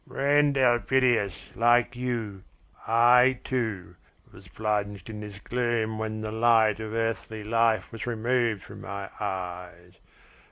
"Friend Elpidias, like you, I, too, was plunged in this gloom when the light of earthly life was removed from my eyes.